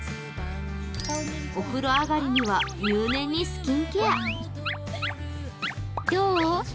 お風呂上がりには入念にスキンケア。